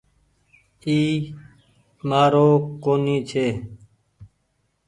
اي مآن رو ڪونيٚ ڇي۔